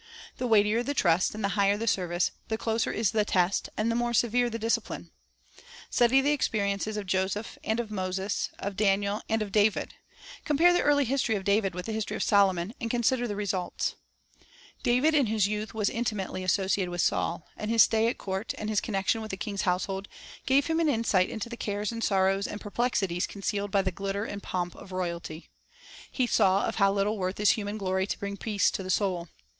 The weightier the trust and the higher the service, the closer is the test and the more severe the discipline. Study the experiences of Joseph and of Moses, of 152 The Bible as an Educator In Training for the Throne Solomon Daniel and of David. Compare the early history of David with the history of Solomon, and consider the results. David in his youth was intimately associated with Saul, and his stay at court and his connection with the king's household gave him an insight into the cares and sorrows and perplexities concealed by the glitter and pomp of royalty. He saw of how little worth is human glory to bring peace to the soul.